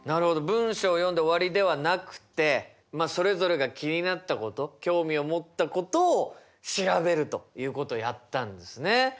文章を読んで終わりではなくてそれぞれが気になったこと興味を持ったことを調べるということをやったんですね。